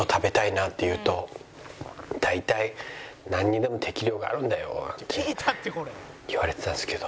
大体「なんにでも適量があるんだよ」って言われてたんですけど。